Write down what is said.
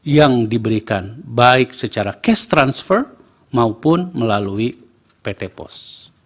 yang diberikan baik secara cash transfer maupun melalui pt pos